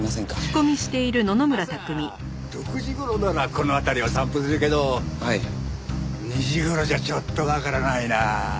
朝６時頃ならこの辺りを散歩するけど２時頃じゃちょっとわからないな。